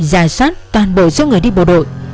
giải soát toàn bộ số người đi bộ đội